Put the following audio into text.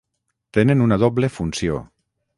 Tenen una doble funció